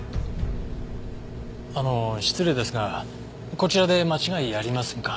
あの失礼ですがこちらで間違いありませんか？